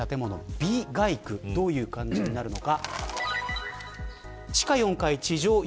Ｂ街区どういう感じになるのか。